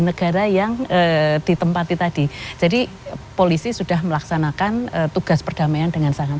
negara yang ditempati tadi jadi polisi sudah melaksanakan tugas perdamaian dengan sangat